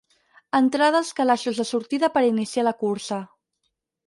Entrada als calaixos de sortida per iniciar la cursa.